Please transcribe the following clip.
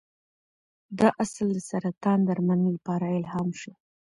دا اصل د سرطان درملنې لپاره الهام شو.